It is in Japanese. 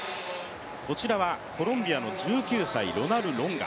こちらはコロンビアの１９歳、ロナル・ロンガ。